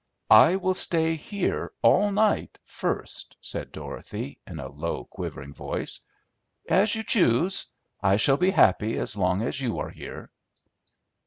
"I will stay here all night, first," said Dorothy, in a low, quivering voice. "As you choose. I shall be happy as long as you are here."